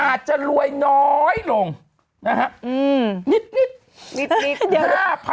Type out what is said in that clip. อาจจะรวยน้อยลงนะฮะ